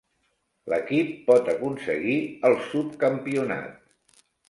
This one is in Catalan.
L'equip pot aconseguir el subcampionat.